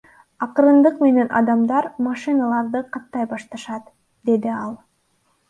Акырындык менен адамдар машиналарды каттай башташат, — деди ал.